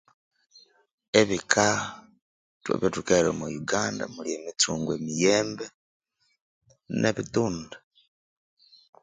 Ebika, ithwe Ebyathukahera omwa Uganda muli emitsungwe, emiyembe nebitunda.